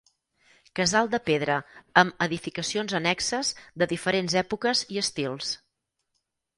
Casal de pedra amb edificacions annexes de diferents èpoques i estils.